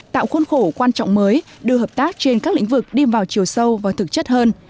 tạo khuôn khổ quan trọng mới đưa hợp tác trên các lĩnh vực đi vào chiều sâu và thực chất hơn